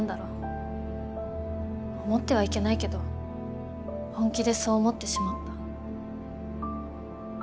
思ってはいけないけど本気でそう思ってしまった。